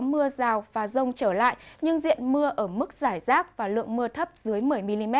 mưa rào và rông trở lại nhưng diện mưa ở mức giải rác và lượng mưa thấp dưới một mươi mm